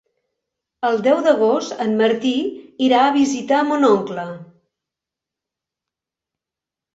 El deu d'agost en Martí irà a visitar mon oncle.